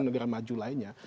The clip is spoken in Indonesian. negara maju lainnya